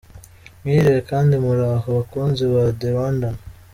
Mwiriwe kandi muraho bakunzi ba The Rwandan?